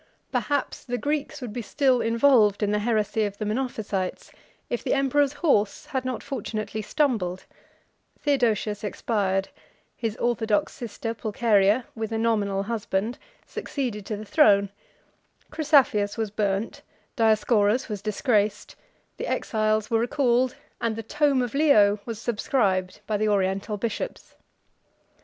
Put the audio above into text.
Perhaps the Greeks would be still involved in the heresy of the Monophysites, if the emperor's horse had not fortunately stumbled; Theodosius expired; his orthodox sister Pulcheria, with a nominal husband, succeeded to the throne; Chrysaphius was burnt, Dioscorus was disgraced, the exiles were recalled, and the tome of Leo was subscribed by the Oriental bishops.